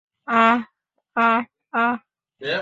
আহ আহ আহ!